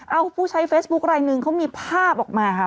เอาผู้ใช้เฟซบุ๊คไลนึงเขามีภาพออกมาค่ะ